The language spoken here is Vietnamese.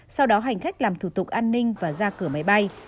sau đó hành khách làm thủ tục an ninh và ra cửa máy bay